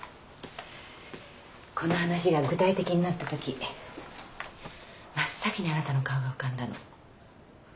この話が具体的になったとき真っ先にあなたの顔が浮かんだの。